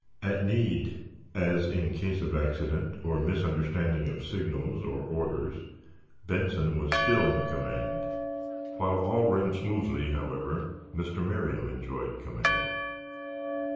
At need, as in case of accident or misunderstanding of signals or orders, Benson was still in command. While all ran smoothly, however, Mr. Merriam enjoyed command.